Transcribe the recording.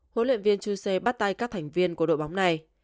huấn luyện viên chuse bắt tay các thành viên của đội bóng này